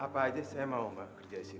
apa aja saya mau mbak kerja disini